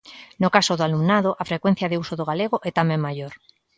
No caso do alumnado, a frecuencia de uso do galego é tamén maior.